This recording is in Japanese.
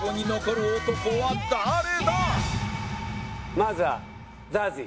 まずはＺＡＺＹ。